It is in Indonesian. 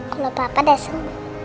kalau papa dasar